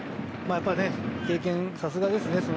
やっぱり経験さすがですね。